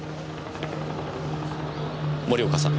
森岡さん。